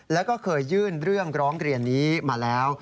แล้วก็เคยยื่นเรื่องร้องเรียนนี้มาแล้ว